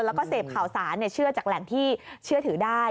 แล้วก็เสพข่าวสารเชื่อจากแหล่งที่เชื่อถือได้